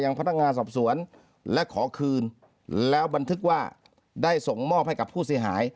พนักงานสอบสวนและขอคืนแล้วบันทึกว่าได้ส่งมอบให้กับผู้เสียหาย